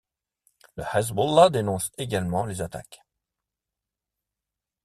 Le Hezbollah dénonce également les attaques.